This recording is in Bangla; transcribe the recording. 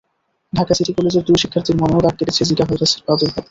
ঢাকা সিটি কলেজের দুই শিক্ষার্থীর মনেও দাগ কেটেছে জিকা ভাইরাসের প্রাদুর্ভাব।